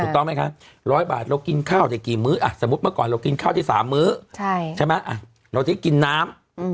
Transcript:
ตรงต้องไหมครับ๑๐๐บาทเรากินข้าวจะกี่มะ